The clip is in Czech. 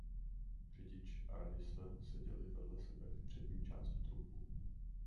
Řidič a radista seděli vedle sebe v přední části trupu.